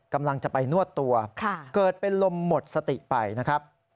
กำลังจะไปนวดตัวเกิดเป็นลมหมดสติไปนะครับ